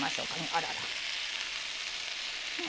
あらら。